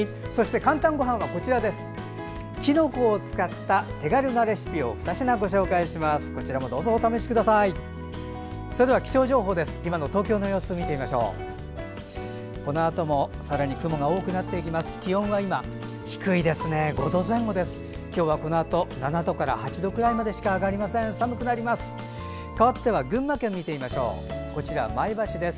「かんたんごはん」は今日はきのこを使った手軽なレシピ２品をご紹介します。